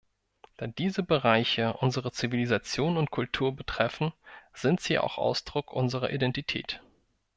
Da diese Bereiche unsere Zivilisation und Kultur betreffen, sind sie auch Ausdruck unserer Identität.